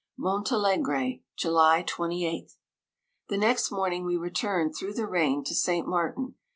Montalegre, July 28th. The next morning we returned through the rain to St. Martin.